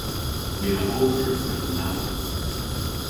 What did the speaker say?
My a ober yn kresen-alow.